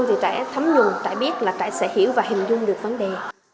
thì trẻ thấm nhùng trẻ biết là trẻ sẽ hiểu và hình dung được vấn đề